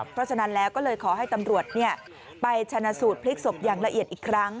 เพราะฉะนั้นแล้วก็เลยขอให้ตำรวจไปชนะสูตรพลิกศพอย่างละเอียดอีกครั้ง